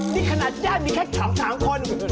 นี่ขนาดแยกมีแค่สองสามคน